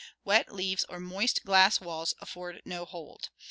... Wet leaves or moist glass walls afford no hold.